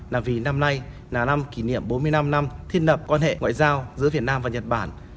là vì năm nay là năm kỷ niệm bốn mươi năm năm thiết lập quan hệ ngoại giao giữa việt nam và nhật bản